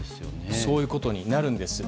そういうことになるんです。